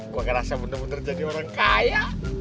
gue ngerasa bener bener jadi orang kaya